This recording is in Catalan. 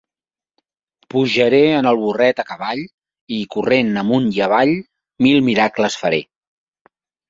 Pujaré en el burret a cavall; i, corrent amunt i avall, mil miracles faré.